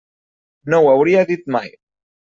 No ho hauria dit mai.